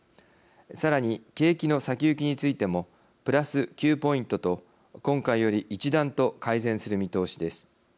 さらに景気の先行きについてもプラス９ポイントと今回より一段と改善する見通しです。